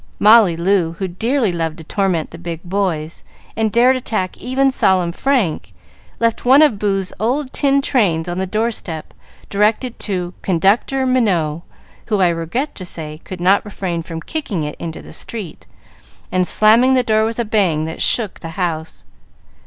Molly Loo, who dearly loved to torment the big boys, and dared attack even solemn Frank, left one of Boo's old tin trains on the door step, directed to "Conductor Minot," who, I regret to say, could not refrain from kicking it into the street, and slamming the door with a bang that shook the house.